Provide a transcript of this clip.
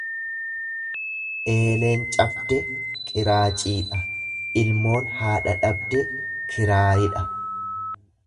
Eeleen cabde qiraaciidha, ilmoon haadha dhabde kiraayidha.